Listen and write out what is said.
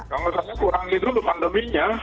kalau misalnya kurangin dulu pandeminya